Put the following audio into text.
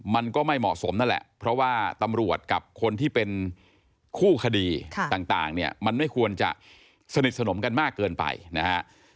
มันก็ไม่เหมาะสมนั่นแหละเพราะว่าตำรวจกับคนที่เป็นคู่คดีต่างเนี่ยมันไม่ควรจะสนิทสนมกันมากเกินไปนะฮะ